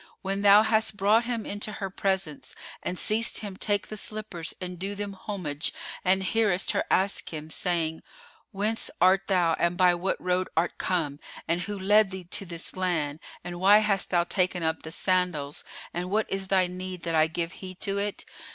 When thou hast brought him into her presence and seest him take the slippers and do them homage, and hearest her ask him, saying:—Whence art thou and by what road art come and who led thee to this land, and why hast thou taken up the sandals and what is thy need that I give heed to it?